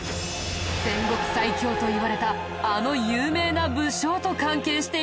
戦国最強といわれたあの有名な武将と関係しているんだ。